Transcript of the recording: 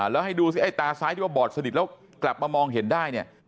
แล้วให้ดูสิไอ้ตาซ้ายที่ว่าบอดสนิทแล้วกลับมามองเห็นได้เนี่ย